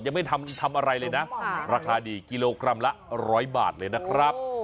ยังไม่ทำอะไรเลยนะราคาดีกิโลกรัมละ๑๐๐บาทเลยนะครับ